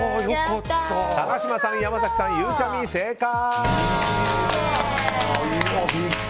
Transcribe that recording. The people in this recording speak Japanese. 高嶋さん、山崎さん、ゆうちゃみ正解！